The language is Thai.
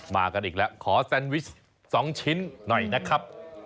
มากันอีกแล้วขอแซนวิช๒ชิ้นหน่อยนะครับ